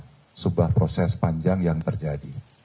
inilah sebuah proses panjang yang terjadi